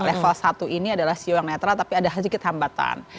level satu ini adalah sio yang netral tapi ada sedikit hambatan